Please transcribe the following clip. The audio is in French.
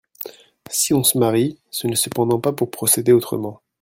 Si on se marie, ce n'est cependant pas pour procéder autrement.